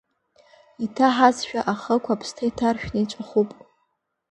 Иҭаҳазшәа ахықә, аԥсҭа, иҭаршәны иҵәахуп…